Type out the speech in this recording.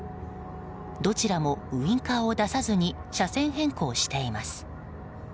どちらもウィンカーを出さずに車線変更しています。